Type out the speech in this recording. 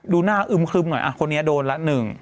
ดูหน้าอึ้มครึมหน่อยอ่ะคนนี้โดนละ๑